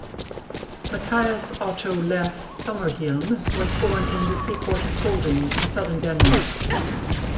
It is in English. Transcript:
Mathias Otto Leth Sommerhielm was born in the seaport of Kolding in southern Denmark.